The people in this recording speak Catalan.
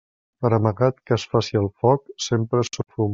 Per amagat que es faci el foc, sempre surt fum.